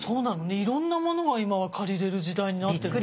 いろんなものが今は借りれる時代になってるのね。